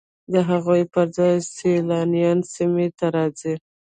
د هغوی پر ځای سیلانیان سیمې ته راځي